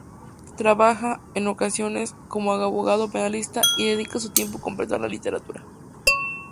Trabaja, en ocasiones, como abogado penalista y dedica su tiempo completo a la literatura.